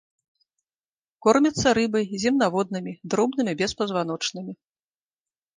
Кормяцца рыбай, земнаводнымі, дробнымі беспазваночнымі.